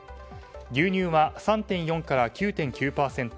牛乳は、３．４から９．９％